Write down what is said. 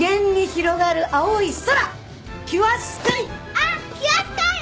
あっキュアスカイだ！